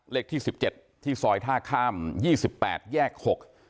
เลขที่๑๗ที่ซอยท่าข้าม๒๘แยก๖